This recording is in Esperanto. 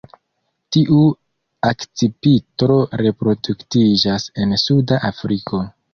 Tiu akcipitro reproduktiĝas en suda Afriko.